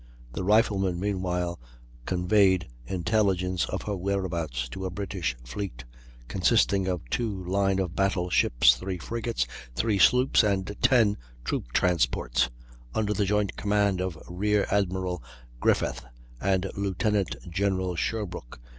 The Rifleman meanwhile conveyed intelligence of her whereabouts to a British fleet, consisting of two line of battle ships, three frigates, three sloops, and ten troop transports, under the joint command of Rear Admiral Griffeth and Lieutenant General Sherbrooke.